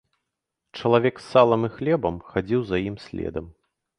Чалавек з салам і хлебам хадзіў за ім следам.